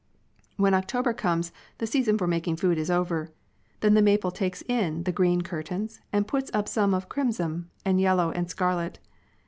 When October comes, the season for making food is over. Then the maple takes in the green curtains and puts up some of crimson and yellow and scarlet.